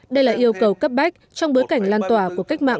đây là yêu cầu cấp bách trong bối cảnh lan tỏa của cách mạng